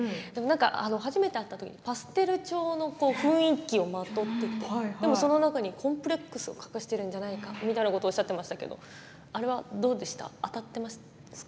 初めて会ったときにパステル調の雰囲気をまとっていてでもその中にコンプレックスを隠しているんじゃないかみたいなことをおっしゃってましたけどあれはどうですか？